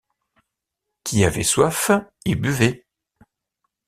Qui avait soif, y buvait.